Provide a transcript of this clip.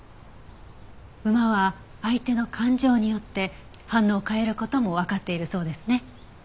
馬は相手の感情によって反応を変える事もわかっているそうですね。